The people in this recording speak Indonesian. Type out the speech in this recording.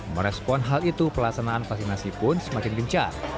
merespon hal itu pelaksanaan vaksinasi pun semakin gencar